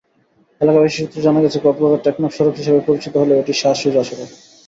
এলাকাবাসী সূত্রে জানা গেছে, কক্সবাজার-টেকনাফ সড়ক হিসেবে পরিচিতি হলেও এটি শাহ সুজা সড়ক।